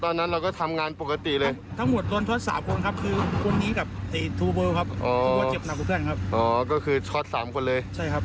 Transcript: ตอนนั้นเราก็ทำงานปกติเลย